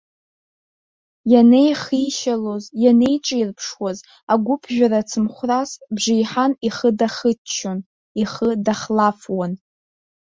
Ианеихишьалоз, ианеиҿирԥшуаз, агәыԥжәара ацымхәрас, бжеиҳан ихы дахыччон, ихы дахлафуан.